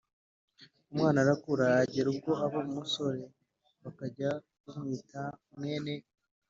umwana arakura, agera ubwo aba umusore, bakajya bamwita."mwene